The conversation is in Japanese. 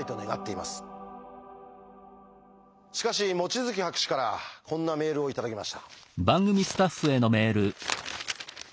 しかし望月博士からこんなメールを頂きました。